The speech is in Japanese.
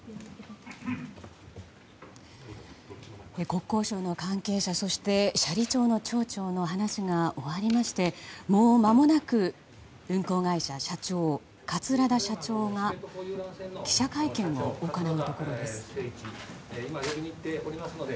国交省の関係者そして斜里町の町長の話が終わりましてもうまもなく運航会社社長、桂田社長が記者会見を行うところです。